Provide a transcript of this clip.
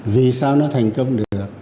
vì sao nó thành công được